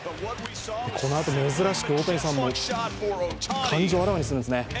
このあと、珍しく大谷さんも感情をあらわにするんですね。